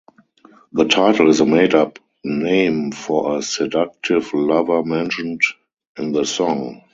The title is a made-up name for a seductive lover mentioned in the song.